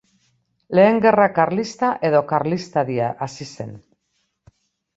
Lehen Gerra Karlista edo Karlistaldia hasi zen.